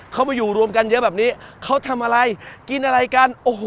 เขามาอยู่รวมกันเยอะแบบนี้เขาทำอะไรกินอะไรกันโอ้โห